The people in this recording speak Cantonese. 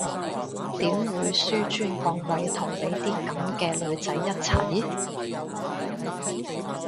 點會紓尊降貴同你啲噉嘅女仔一齊？